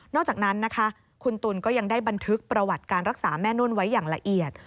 อกจากนั้นนะคะคุณตุ๋นก็ยังได้บันทึกประวัติการรักษาแม่นุ่นไว้อย่างละเอียด